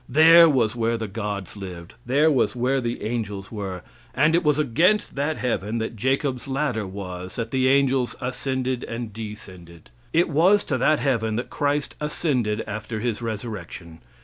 There was where the gods lived, there was where the angels were, and it was against that heaven that Jacob's ladder was that the angels ascended and descended. It was to that heaven that Christ ascended after His resurrection.